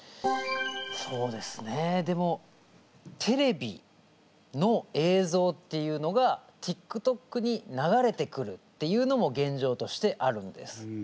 そうですねでもテレビの映像っていうのがティックトックに流れてくるっていうのも現状としてあるんです。